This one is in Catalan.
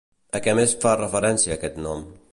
A què més fa referència aquest nom?